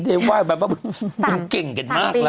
ได้ว่าแบบว่าคุณเก่งเก่งมากแล้ว